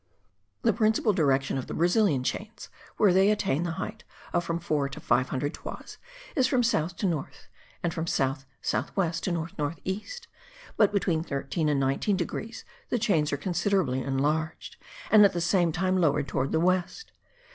The principal direction of the Brazilian chains, where they attain the height of from four to five hundred toises, is from south to north, and from south south west to north north east; but, between 13 and 19 degrees the chains are considerably enlarged, and at the same time lowered towards the west.